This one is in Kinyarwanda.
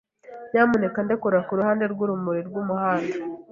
Nyamuneka ndekure kuruhande rwurumuri rwumuhanda.